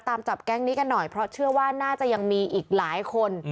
ตามจับแก๊งนี้กันหน่อยเพราะเชื่อว่าน่าจะยังมีอีกหลายคน